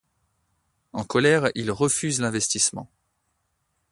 En colère, il refuse l'investissement.